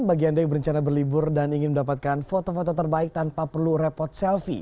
bagi anda yang berencana berlibur dan ingin mendapatkan foto foto terbaik tanpa perlu repot selfie